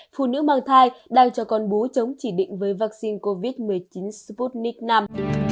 phụ nữ mang thai đang cho con bú chống chỉ định với vaccine covid một mươi chín sputnik v